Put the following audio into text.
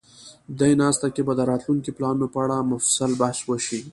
دې ناسته کې به د راتلونکو پلانونو په اړه مفصل بحث وشي.